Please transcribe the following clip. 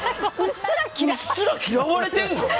うっすら嫌われてんの？